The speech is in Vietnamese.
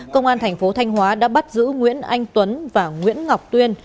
công an thành phố thanh hóa đã bắt giữ nguyễn anh tuấn và nguyễn ngọc tuyên